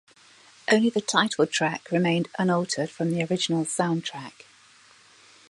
Only the title track remained unaltered from the original soundtrack.